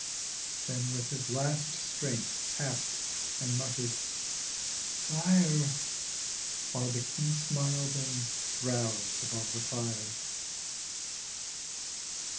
Then, with his last strength tapped, and muttered, "Sire." While the King smiled and drowsed above the fire.